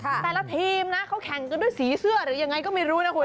แต่ละทีมนะเขาแข่งกันด้วยสีเสื้อหรือยังไงก็ไม่รู้นะคุณ